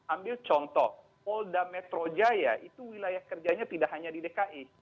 ambil contoh polda metro jaya itu wilayah kerjanya tidak hanya di dki